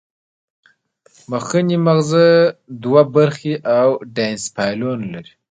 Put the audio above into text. مخنی مغزه دوه برخې او ډاینسفالون لري